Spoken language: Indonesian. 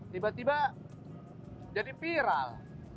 tiba tiba jadi viral